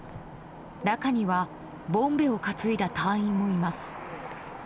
中にはボンベを担いだ隊員もいます。